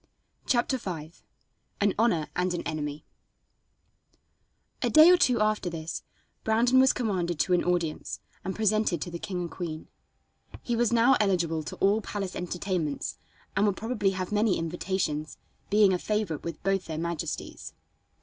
CHAPTER V An Honor and an Enemy A day or two after this, Brandon was commanded to an audience, and presented to the king and queen. He was now eligible to all palace entertainments, and would probably have many invitations, being a favorite with both their majesties.